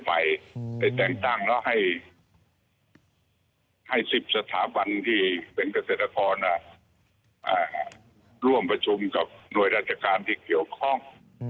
ไปแต่งตั้งแล้วให้๑๐สถาบันที่เป็นเกษตรกรร่วมประชุมกับหน่วยราชการที่เกี่ยวข้อง